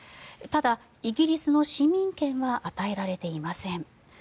ただ、イギリスの市民権は与えられていません。